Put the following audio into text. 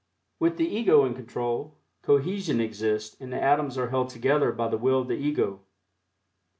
With the Ego in control, cohesion exists and the atoms are held together by the Will of the Ego.